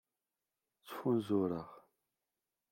Ttfunzureɣ.